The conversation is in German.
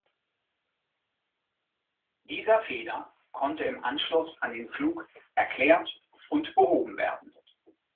Dieser Fehler konnte im Anschluss an den Flug erklärt und behoben werden.